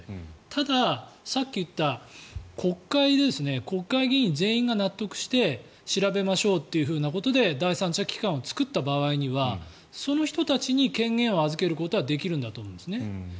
ただ、さっき言った国会で国会議員全員が納得して調べましょうということで第三者機関を作った場合にはその人たちに権限を預けることはできるんだと思うんですね。